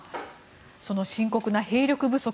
その深刻な兵力不足。